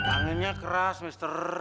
anginnya keras mister